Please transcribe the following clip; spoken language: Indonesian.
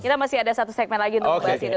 kita masih ada satu segmen lagi untuk membahas itu